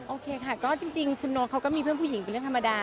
โอเคค่ะก็จริงคุณโน๊ตเขาก็มีเพื่อนผู้หญิงเป็นเรื่องธรรมดา